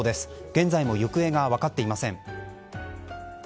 現在も行方が分かっていません。